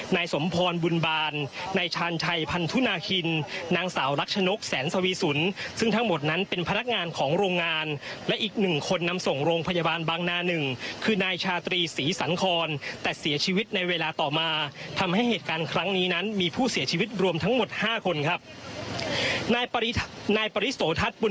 นายสมพรบุญบาลนายชาญชัยพันธุนาคินนางสาวรักชนกแสนสวีสุนซึ่งทั้งหมดนั้นเป็นพนักงานของโรงงานและอีกหนึ่งคนนำส่งโรงพยาบาลบางนาหนึ่งคือนายชาตรีศรีสังครแต่เสียชีวิตในเวลาต่อมาทำให้เหตุการณ์ครั้งนี้นั้นมีผู้เสียชีวิตรวมทั้งหมดห้าคนครับนายปรินายปริโสทัพ